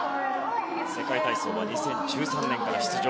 世界体操は２０１３年から出場。